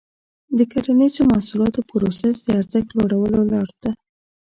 د کرنیزو محصولاتو پروسس د ارزښت لوړولو لاره ده.